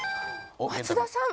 松田さん。